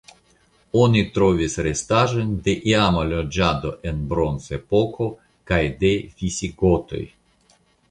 Oni trovis restaĵojn de iama loĝado en Bronzepoko kaj de visigotoj.